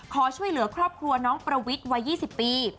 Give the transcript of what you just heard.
ขอช่วยเหลือครอบครัวน้องประวิทย์วัย๒๐ปี